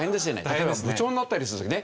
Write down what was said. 例えば部長になったりする時ね